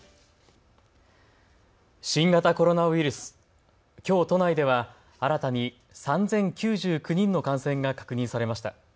新型コロナウイルス、きょう都内では、新たに３０９９人の感染が確認されました。